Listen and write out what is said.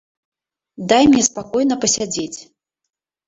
Дай мне спакойна пасядзець.